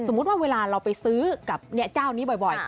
ว่าเวลาเราไปซื้อกับเจ้านี้บ่อย